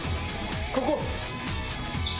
ここ。